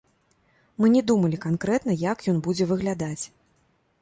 Мы не думалі канкрэтна, як ён будзе выглядаць.